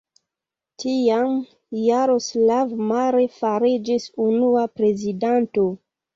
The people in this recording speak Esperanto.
Tiam, Jaroslav Mar fariĝis unua prezidanto.